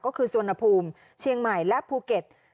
ก็คือสวนภูมิเชียงใหม่และภูเก็ต